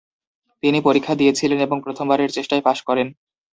তিনি পরীক্ষা দিয়েছিলেন এবং প্রথম বারের চেষ্টায় পাস করেন।